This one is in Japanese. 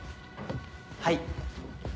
はい。